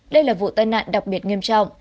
đây là vụ tai nạn đặc biệt nghiêm trọng